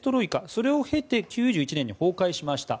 それを経て９１年に崩壊しました。